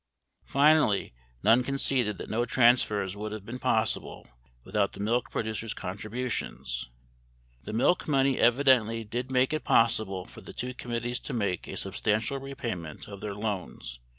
42 Finally, Nunn conceded that no transfers would have been possible without the milk producer contributions : [T]he milk money evidently did make it possible for the two committees to make a substantial repayment of their loans